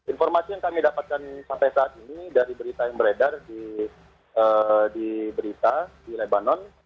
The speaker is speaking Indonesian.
informasi yang kami dapatkan sampai saat ini dari berita yang beredar di berita di lebanon